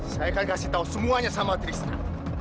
saya akan kasih tahu semuanya sama trisna